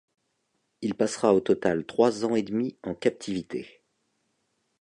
Il passera au total trois ans et demi en captivité.